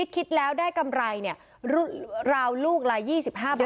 คิดแล้วได้กำไรราวลูกละ๒๕บาท